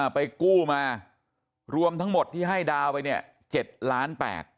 ไปกู้มารวมทั้งหมดที่ให้ดาวไปเนี่ย๗ล้าน๘